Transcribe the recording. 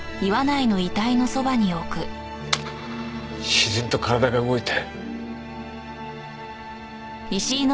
自然と体が動いて。